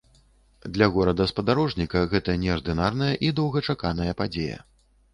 Для горада-спадарожніка гэта неардынарная і доўгачаканая падзея.